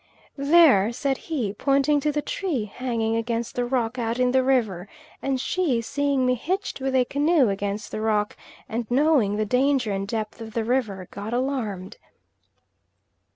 "There," said he, pointing to the tree hanging against the rock out in the river; and she, seeing me hitched with a canoe against the rock, and knowing the danger and depth of the river, got alarmed.